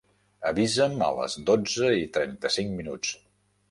Avisa'm a les dotze i trenta-cinc minuts.